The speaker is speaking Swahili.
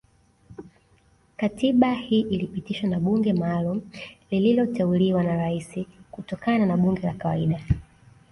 Katiba hii ilipitishwa na bunge maalumu lililoteuliwa na Rais kutokana na bunge la kawaida